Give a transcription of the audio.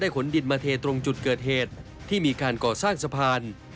ได้ขนดินตรงเกิดเหตุที่มีการก่อสร้างสะพาน